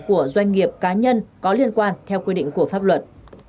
của doanh nghiệp cá nhân có liên quan theo quy định của pháp luật